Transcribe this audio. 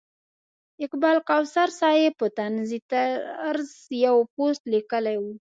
اقبال کوثر صاحب په طنزي طرز یو پوسټ لیکلی و.